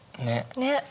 ねっ。